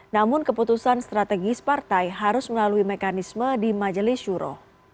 namun keputusan strategis partai harus melalui mekanisme di majelis syuro